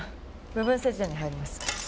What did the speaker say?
部分切除に入ります。